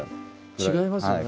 違いますよね。